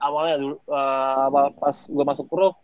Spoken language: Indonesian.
awalnya pas juga masuk pro